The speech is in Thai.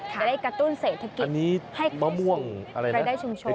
จะได้กระตุ้นเศษฐกิจให้ค่อยสูงไปได้ชุมโชน